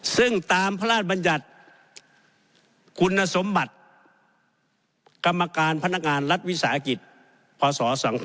ซึ่งตามพระราชบัญญัติคุณสมบัติกรรมการพนักงานรัฐวิสาหกิจพศ๒๕๖